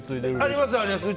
あります。